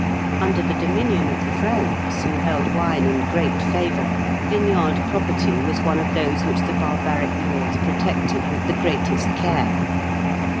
Under the dominion of the Franks, who held wine in great favour, vineyard property was one of those which the barbaric laws protected with the greatest care.